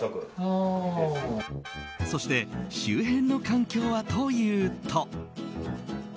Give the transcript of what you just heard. そして周辺の環境はというと。